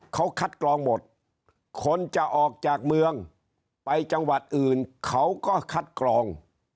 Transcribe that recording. เขาคัดกรองหมดคนจะออกจากเมืองไปจังหวัดอื่นเขาก็คัดกรอง